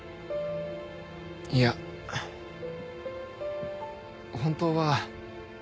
いや本当は。